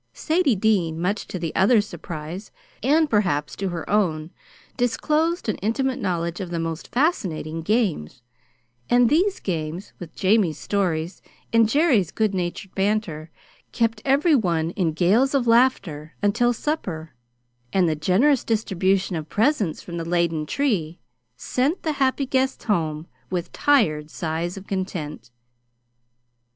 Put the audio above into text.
Sadie Dean, much to the others' surprise and perhaps to her own disclosed an intimate knowledge of the most fascinating games; and these games, with Jamie's stories and Jerry's good natured banter, kept every one in gales of laughter until supper and the generous distribution of presents from the laden tree sent the happy guests home with tired sighs of content.